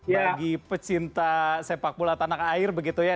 bagi pecinta sepak bola tanah air begitu ya